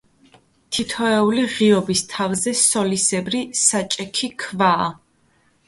თითოეული ღიობის თავზე სოლისებრი, საჭექი ქვაა.